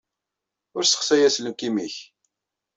Ur ssexsay aselkim-nnek.